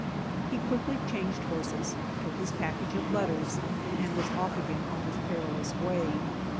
He quickly changed horses, took his package of letters, and was off again on his perilous way.